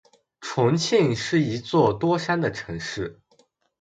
重庆是一座多山的城市。